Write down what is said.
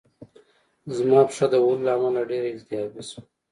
زما پښه د وهلو له امله ډېره التهابي شوه